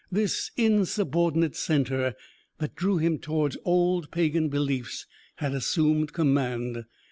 This insubordinate centre that drew him towards old pagan beliefs had assumed command.